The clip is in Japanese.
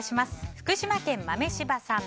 福島県の方から。